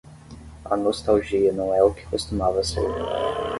A nostalgia não é o que costumava ser.